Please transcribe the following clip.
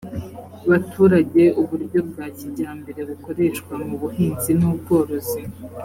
baturage uburyo bwa kijyambere bukoreshwa mu buhinzi n ubworozi